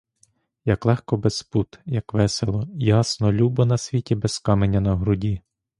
Як легко без пут, як весело, ясно, любо на світі без каменя на груді!